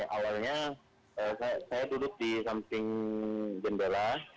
awalnya saya duduk di samping jendela